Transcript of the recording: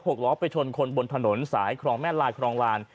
นะฮะไปตรวจสอบรถ๖ล้อไปชนคนบนถนนสายครองแม่ลายด์ครองลานด์